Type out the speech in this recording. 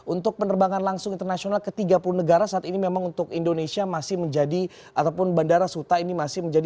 untuk penerbangan langsung internasional ke tiga puluh negara saat ini memang untuk indonesia masih menjadi ataupun bandara suta ini masih menjadi